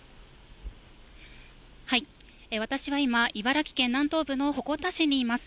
私は今、茨城県南東部の鉾田市にいます。